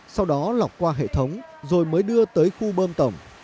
sau đó lọc qua hệ thống rồi mới đưa tới khu bơm tổng